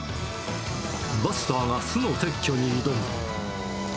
バスターが巣の撤去に挑む。